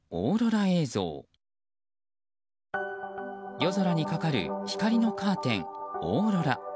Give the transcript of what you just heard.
夜空にかかる光のカーテンオーロラ。